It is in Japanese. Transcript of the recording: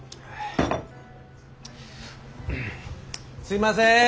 すいません！